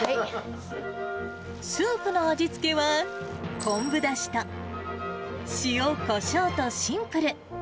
スープの味付けは、昆布だしと塩こしょうとシンプル。